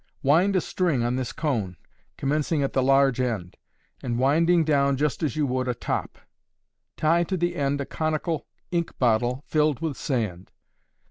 Wind a string on this cone, commencing at the large end, and winding down just as you would a top. Tie to the end a conical ink bottle filled with sand.